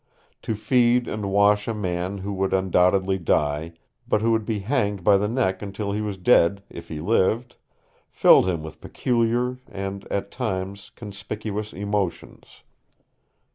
To feed and wash a man who would undoubtedly die, but who would be hanged by the neck until he was dead if he lived, filled him with peculiar and at times conspicuous emotions.